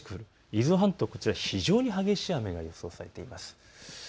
伊豆半島、こちら非常に激しい雨が予想されています。